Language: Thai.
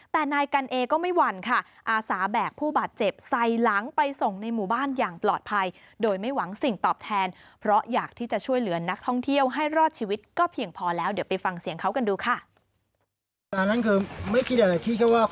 แต่นายกันเอก็ไม่หวั่นค่ะอาสาแบกผู้บาดเจ็บใส่หลังไปส่งในหมู่บ้านอย่างปลอดภัยโดยไม่หวังสิ่งตอบแทนเพราะอยากที่จะช่วยเหลือนักท่องเที่ยวให้รอดชีวิตก็เพียงพอแล้วเดี๋ยวไปฟังเสียงเขากันดูค่ะ